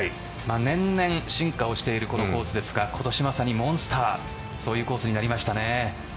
年々進化をしているこのコースですが今年、まさにモンスターそういうコースになりましたね。